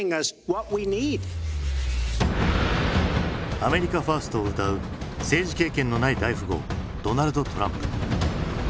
アメリカ・ファーストをうたう政治経験のない大富豪ドナルド・トランプ。